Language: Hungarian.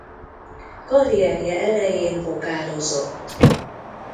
Karrierje elején vokálozott.